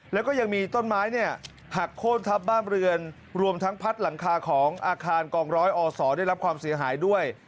แล้วก็ยังมีต้นไม้เนี่ยหักโค้นทับบ้านเรือนรวมทั้งพัดหลังคาของอาคารกองร้อยอศได้รับความเสียหายด้วย